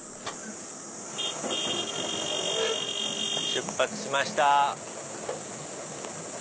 出発しました。